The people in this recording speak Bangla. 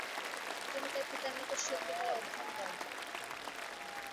তিনি তার পিতার নিকট শিল্পকলা অধ্যয়ন করেন।